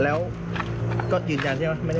แล้วก็จืนจันใช่ไหมไม่ได้ข่มขืน